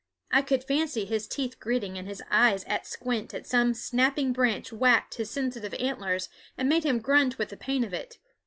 I could fancy his teeth gritting and his eyes at squint as some snapping branch whacked his sensitive antlers and made him grunt with the pain of it.